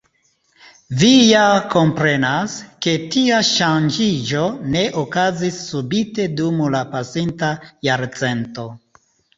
Vi ja komprenas, ke tia ŝanĝiĝo ne okazis subite dum la pasinta jarcento.